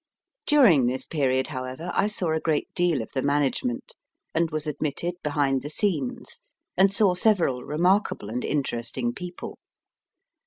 During this period, however, I saw a great deal of the WALTER BESANT management, and was admitted behind the scenes, and saw several remarkable and interesting people.